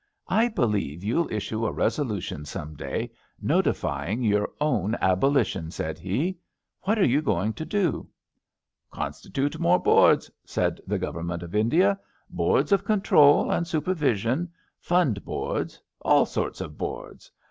*^ I believe you'll issue a resolution some day notify 90 ABAFT THE FUNNEL ing your own abolition,'^ said he. *^ What are you going to do! 'Constitute more Boards, '* said the Govern ment of India. *^ Boards of Control and Super vision — ^Fund Boards — ^all sorts of Boards.